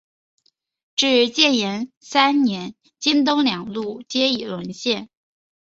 至建炎三年京东两路皆已沦陷。